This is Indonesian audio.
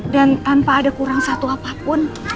dan tanpa ada kurang satu apapun